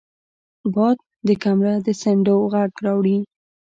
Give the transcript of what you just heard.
باد د کمره د څنډو غږ راوړي